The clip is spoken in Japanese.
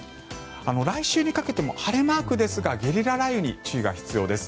来週にかけても晴れマークですがゲリラ雷雨に注意が必要です。